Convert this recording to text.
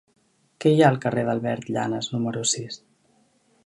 Què hi ha al carrer d'Albert Llanas número sis?